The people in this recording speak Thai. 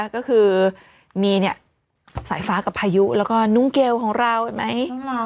ก็คือมีสายฟ้ากับพายุแล้วก็นุ่งเกลของเราเห็นไหม